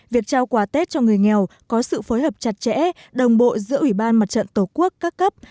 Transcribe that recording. việc trao quà tết cho người nghèo có sự phối hợp chặt chẽ đồng bộ giữa ủy ban mặt trận tổ quốc các cấp